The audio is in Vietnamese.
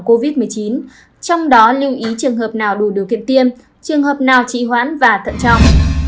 covid một mươi chín trong đó lưu ý trường hợp nào đủ điều kiện tiêm trường hợp nào trị hoãn và thận trọng